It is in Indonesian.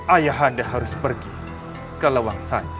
ayahanda harus pergi ke luwung sanca